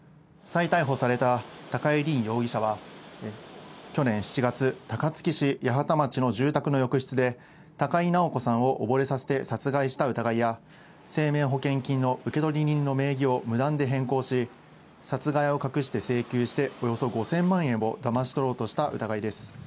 再逮捕された高井凜容疑者は、去年７月、高槻市八幡町の住宅の浴室で、高井直子さんを溺れさせて殺害した疑いや、生命保険金の受取人の名義を無断で変更し、殺害を隠して請求して、およそ５０００万円をだまし取ろうとした疑いです。